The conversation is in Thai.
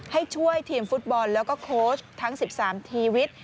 ให้ช่วยทีมฟุตบอลแล้วก็โค้ชทั้ง๑๓ชีวิต